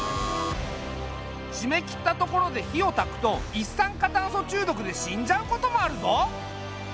閉めきった所で火をたくと一酸化炭素中毒で死んじゃうこともあるぞ。